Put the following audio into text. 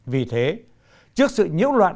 vì thế trước sự nhiễu loạn